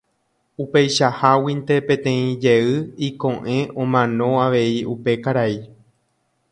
Upeichaháguinte peteĩ jey iko'ẽ omano avei upe karai.